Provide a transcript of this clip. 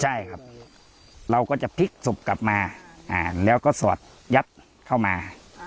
ใช่ครับเราก็จะพลิกศพกลับมาแล้วก็สอดยัดเข้ามา